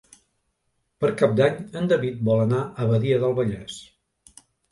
Per Cap d'Any en David vol anar a Badia del Vallès.